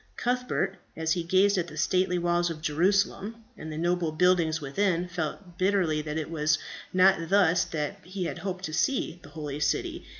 Cuthbert, as he gazed at the stately walls of Jerusalem, and the noble buildings within, felt bitterly that it was not thus that he had hoped to see the holy city.